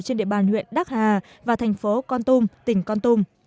trên địa bàn huyện đắc hà và thành phố con tum tỉnh con tum